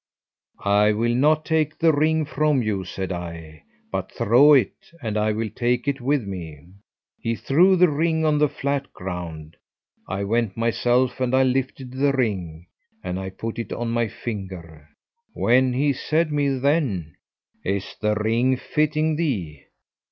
"'I will not take the ring from you,' said I, 'but throw it, and I will take it with me.' He threw the ring on the flat ground, I went myself and I lifted the ring, and I put it on my finger. When he said me then, 'Is the ring fitting thee?'